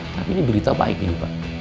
tapi ini berita baik ini pak